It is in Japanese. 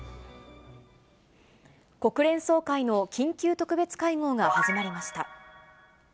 国連総会の緊急特別会合が始まりました。